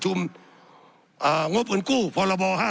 สับขาหลอกกันไปสับขาหลอกกันไป